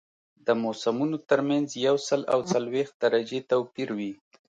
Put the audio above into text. د موسمونو ترمنځ یو سل او څلوېښت درجې توپیر وي